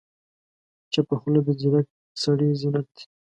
چپه خوله، د ځیرک سړي زینت دی.